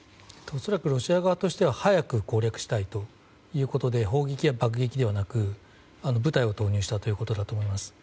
恐らくロシア側としては早く攻略したいということで砲撃や爆撃ではなく部隊を投入したということだと思います。